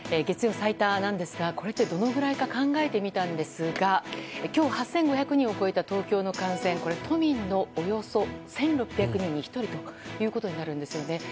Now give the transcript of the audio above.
月曜最多なんですがこれってどのくらいか考えてみたんですが今日８５００人を超えた東京の感染これ都民のおよそ１６００人に１人となるんですよね。